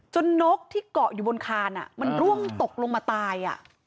นกที่เกาะอยู่บนคานมันร่วงตกลงมาตาย